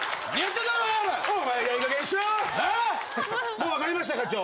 もう分かりました課長。